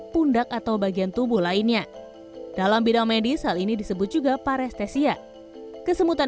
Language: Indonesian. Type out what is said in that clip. pundak atau bagian tubuh lainnya dalam bidang medis hal ini disebut juga parestesia kesemutan